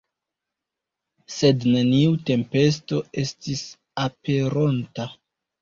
Sed neniu tempesto estis aperonta.